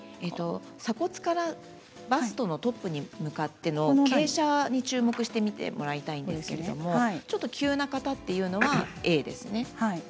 鎖骨からバストのトップに向かっての傾斜に注目してもらいたいんですけどちょっと急な方というのはＡです。